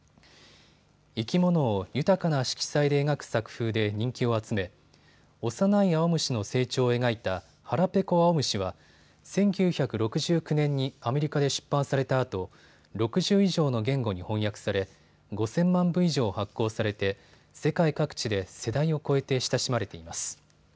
生き物を豊かな色彩で描く作風で人気を集め幼いあおむしの成長を描いたはらぺこあおむしは１９６９年にアメリカで出版されたあと６０以上の言語に翻訳され５０００万部以上発行されて世界各地で世代を超えて親しまれています。